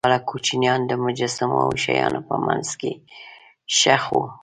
دواړه کوچنیان د مجسمو او شیانو په منځ کې ښخ وو.